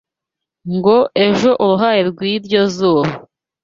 Ngo ejo uruhayi rw’ iryo zuba